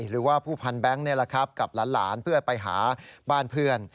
หรือว่าผู้พันแบงค์นี่แหละครับกับหลานเพื่อไปหาบ้านเพื่อน